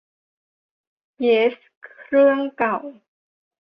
เยส เครื่องเก่า